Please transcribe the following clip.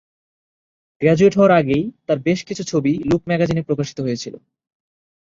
Graduate হওয়ার আগেই তার বেশ কিছু ছবি লুক ম্যাগাজিনে প্রকাশিত হয়েছিল।